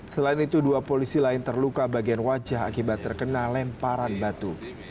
selain itu dua polisi lain terluka bagian wajah akibat terkena lemparan batu